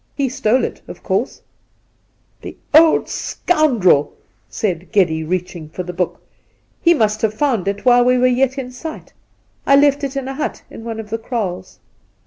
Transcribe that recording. He stole it, of course ?' 'The old scoundrel!' said Geddy, reaching for the book ;' he must have found it while we were yet in sight. I left it in a hut in one of the kraals.'